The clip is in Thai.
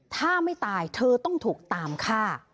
ถ้าไม่ตายเธอต้องถูกตามฆ่า